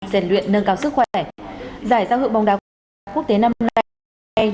diện luyện nâng cao sức khỏe giải giao hữu bóng đá quốc tế năm nay